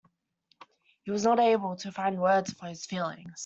He was not able to find words for his feelings.